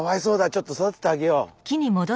ちょっと育ててあげよう。